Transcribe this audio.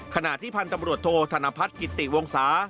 ขณะที่พันธุ์ตำรวจโทษธนพัฒน์กิติวงศา